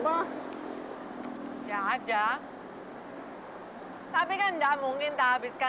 paddle ergota duitnya mb pake